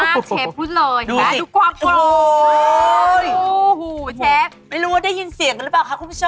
เอาชิ้นหน่อยดีคะ